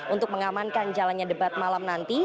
untuk mengamankan jalannya debat malam nanti